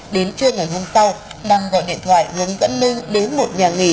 đến trưa ngày hôm sau đăng gọi điện thoại hướng dẫn minh đến một nhà nghỉ